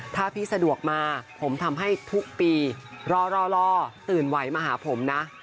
ถ้าพี่สะดวกมาผมทำให้ทุกปีรอตื่นไหวมาหาผมนะ